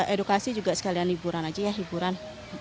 edukasi juga sekalian liburan aja ya hiburan